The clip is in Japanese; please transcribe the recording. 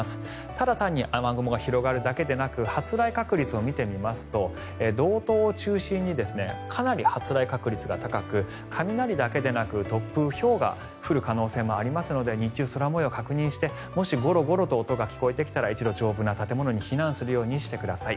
ただ単に雨雲が広がるだけでなく発雷確率を見てみますと道東を中心にかなり発雷確率が高く雷だけでなく突風、ひょうが降る可能性がありますので日中、空模様を確認してもしゴロゴロと音が聞こえてきたら一度丈夫な建物に避難するようにしてください。